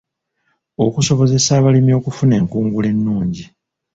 Okusobozesa abalimi okufuna enkungula ennungi.